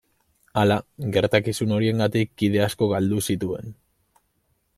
Hala gertakizun horiengatik kide asko galdu zituen.